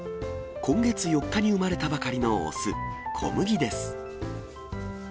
今月４日に生まれたばかりの雄、こむぎです。